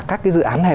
các cái dự án này